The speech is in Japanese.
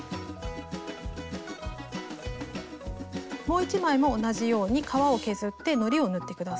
もう一枚も同じように革を削ってのりを塗って下さい。